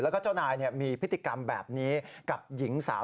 แล้วก็เจ้านายมีพฤติกรรมแบบนี้กับหญิงสาว